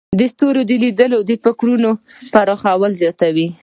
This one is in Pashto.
د ستورو لیدل د فکرونو پراخوالی زیاتوي.